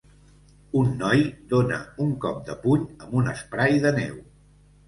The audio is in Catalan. Un noi dona un cop de puny amb un spray de neu